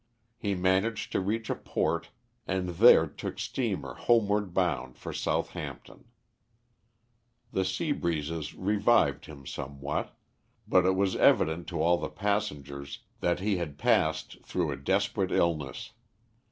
He managed to reach a port, and there took steamer homeward bound for Southampton. The sea breezes revived him somewhat, but it was evident to all the passengers that he had passed through a desperate illness.